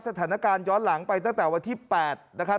สถานการณ์ย้อนหลังไปตั้งแต่วันที่๘นะครับ